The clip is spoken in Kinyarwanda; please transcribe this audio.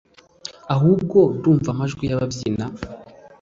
ahubwo ndumva amajwi y’ababyina”